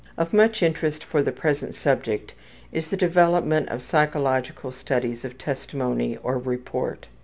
Of much interest for the present subject is the development of psychological studies of testimony or report.